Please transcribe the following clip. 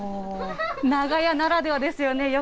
長屋ならではですよね。